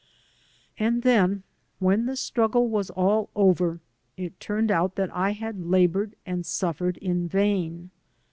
And then when the struggle was all over it turned out that I had labored and suffered in vain.